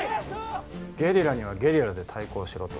ゲリラにはゲリラで対抗しろと？